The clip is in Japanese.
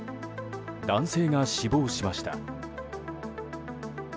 男性が死亡しました。